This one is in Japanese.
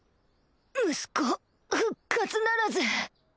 息子復活ならず